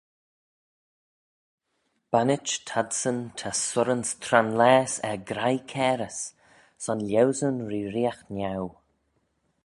Bannit t'adsyn ta surranse tranlaase er graih cairys: son lhieusyn reeriaght niau.